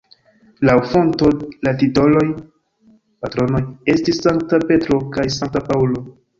Laŭ fonto la titoloj (patronoj) estis Sankta Petro kaj Sankta Paŭlo.